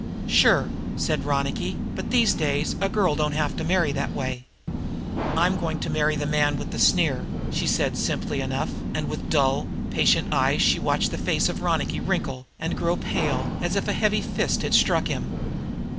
"Sure," said Ronicky. "But these days a girl don't have to marry that way." "I am going to marry the man with the sneer," she said simply enough, and with dull, patient eyes she watched the face of Ronicky wrinkle and grow pale, as if a heavy fist had struck him.